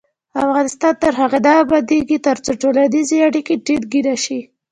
افغانستان تر هغو نه ابادیږي، ترڅو ټولنیزې اړیکې ټینګې نشي.